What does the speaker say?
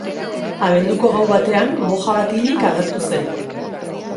Abenduko gau batean, moja bat hilik agertu zen.